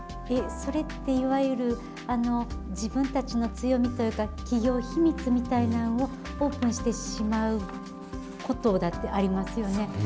それっていわゆる自分たちの強みというか、企業秘密みたいなんをオープンしてしまうことだってありますよね？